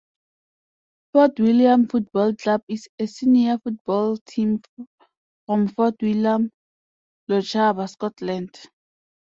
Fort William Football Club is a senior football team from Fort William, Lochaber, Scotland.